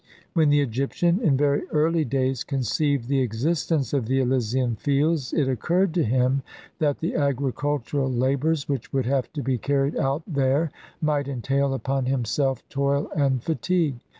When the Egyptian, in very early days, conceived the existence of the Elysian Fields it occurred to him that the agricultural labours which would have to be carried out there might entail upon himself toil and fatigue.